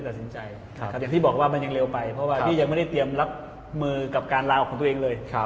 อย่างที่บอกว่ามันยังเร็วไปเพราะว่าพี่ยังไม่ได้เตรียมรับมือกับการลาออกของตัวเองเลย